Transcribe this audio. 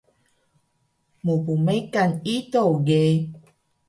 Mpmekan ido ge